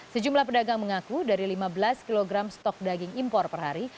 sejumlah pedagang mengaku dari lima belas kg stok daging impor per hari